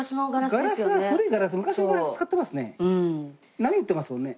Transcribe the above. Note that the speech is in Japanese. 波打ってますもんね。